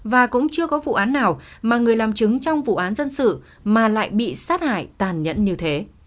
và cũng chưa có vụ án nào mà người làm chứng trong vụ án dân sự mà lại bị sát hại tàn nhẫn như thế